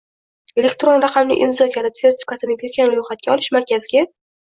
elektron raqamli imzo kaliti sertifikatini bergan ro‘yxatga olish markaziga